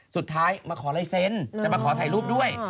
สุดท้ายมาขอลายเซ็นต์จะมาขอถ่ายรูปด้วย